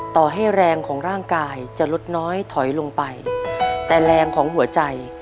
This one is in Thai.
ต่อให้แรงของร่างกายจะลดน้อยถอยลงไปแต่แรงของหัวใจ